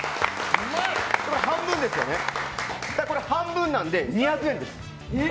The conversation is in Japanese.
これ、半分なので２００円です。